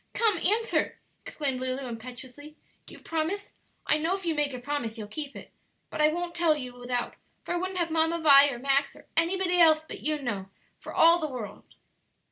"Come, answer," exclaimed Lulu impetuously; "do you promise? I know if you make a promise you'll keep it. But I won't tell you without, for I wouldn't have Mamma Vi, or Max, or anybody else but you know, for all the world."